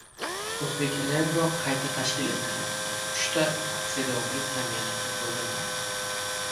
«O‘zbekenergo» qayta tashkil etiladi va uchta aksiyadorlik jamiyatiga bo‘linadi